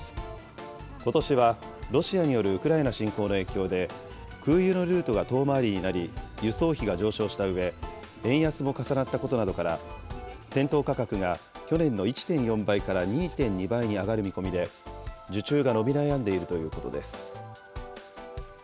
ことしはロシアによるウクライナ侵攻の影響で、空輸のルートが遠回りになり輸送費が上昇したうえ、円安も重なったことなどから、店頭価格が去年の１．４倍から２．２倍に上がる見込みで、受注が伸び悩んでいるということです。